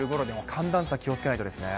寒暖差、気をつけないとですね。